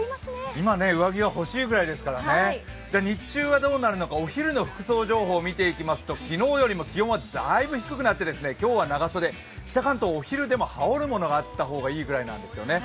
今、上着がほしいぐらいですから日中がどうなるかお昼の服装情報を見ていくと昨日よりも気温はだいぶ低くなって今日は長袖、北関東はお昼でも羽織るものがあった方がいいくらいです。